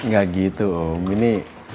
gak gitu om ini